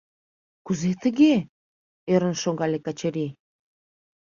— Кузе тыге? — ӧрын шогале Качырий.